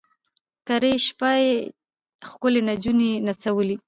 کرۍ شپه یې ښکلي نجوني نڅولې